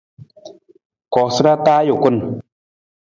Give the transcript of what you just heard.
Koosara taa ajukun.